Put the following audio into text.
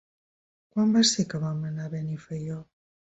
Quan va ser que vam anar a Benifaió?